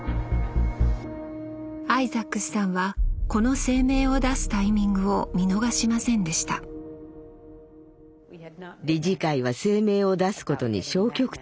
アイザックスさんはこの声明を出すタイミングを見逃しませんでした理事会は声明を出すことに消極的でした。